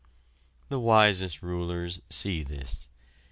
The wisest rulers see this.